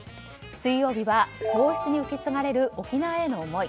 水曜日は皇室に受け継がれる沖縄への思い。